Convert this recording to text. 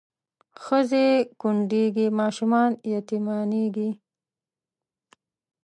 ښځې کونډېږي ماشومان یتیمانېږي